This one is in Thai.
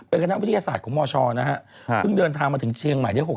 อะไรอาจอาจว่าอะไรหานกก